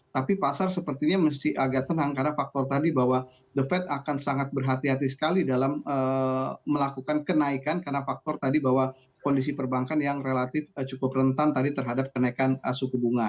tapi pasar sepertinya masih agak tenang karena faktor tadi bahwa the fed akan sangat berhati hati sekali dalam melakukan kenaikan karena faktor tadi bahwa kondisi perbankan yang relatif cukup rentan tadi terhadap kenaikan suku bunga